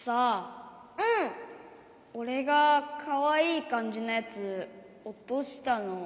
おれがかわいいかんじのやつおとしたのみたよね？